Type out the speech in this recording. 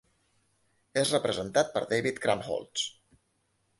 És representat per David Krumholtz.